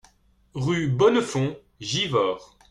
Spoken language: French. Rue Bonnefond, Givors